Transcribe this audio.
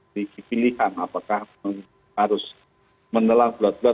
dipilihkan apakah harus menelan bulat bulat